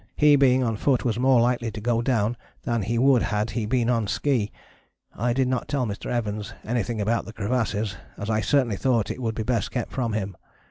He being on foot was more likely to go down than he would had he been on ski. I did not tell Mr. Evans anything about the crevasses, as I certainly thought it would be best kept from him.